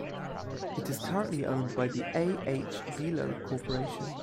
It is currently owned by the A. H. Belo Corporation.